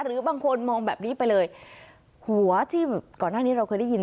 หรือบางคนมองแบบนี้ไปเลยหัวที่ก่อนหน้านี้เราเคยได้ยิน